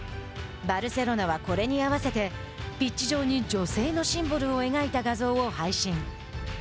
バルセロナはこれに合わせてピッチ上に女性のシンボルを描いた画像を配信。